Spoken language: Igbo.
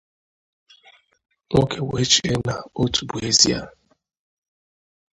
nwoke wee chee na ótù bụ ezie